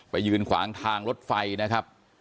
ยืนขวางทางรถไฟนะครับ